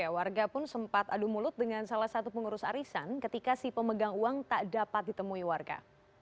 warga pun sempat adu mulut dengan salah satu pengurus arisan ketika si pemegang uang tak dapat ditemui warga